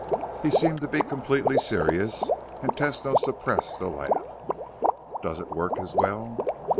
He seemed to be completely serious, and Tesno suppressed a laugh. "Does it work as well?"